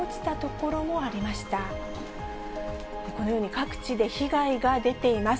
このように各地で被害が出ています。